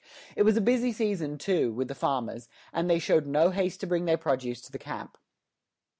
It was a busy season, too, with the farmers, and they showed no haste to bring their produce to the camp.